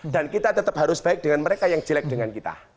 dan kita tetap harus baik dengan mereka yang jelek dengan kita